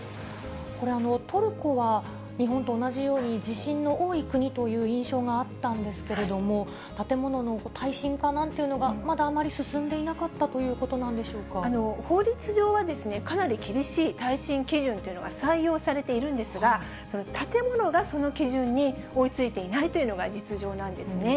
これ、トルコは日本と同じように地震の多い国という印象があったんですけれども、建物の耐震化なんていうのが、まだあまり進んでいなか法律上は、かなり厳しい耐震基準というのが採用されているんですが、その建物がその基準に追いついていないというのが実情なんですね。